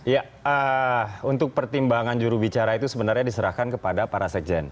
ya untuk pertimbangan jurubicara itu sebenarnya diserahkan kepada para sekjen